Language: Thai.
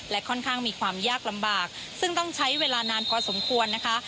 ค่อนข้างมีความยากลำบากซึ่งต้องใช้เวลานานพอสมควรนะคะ